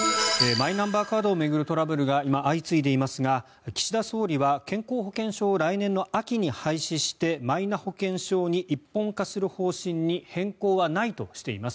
マイナンバーカードを巡るトラブルが今、相次いでいますが岸田総理は健康保険証を来年の秋に廃止してマイナ保険証に一本化する方針に変更はないとしています。